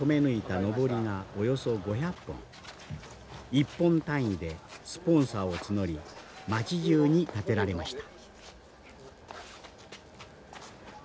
一本単位でスポンサーを募り町じゅうに立てられました。